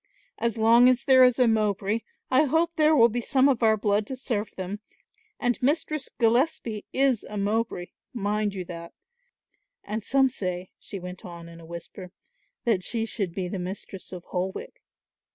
As long as there is a Mowbray I hope there will be some of our blood to serve them and Mistress Gillespie is a Mowbray, mind you that, and some say," she went on in a whisper, "that she should be the Mistress of Holwick.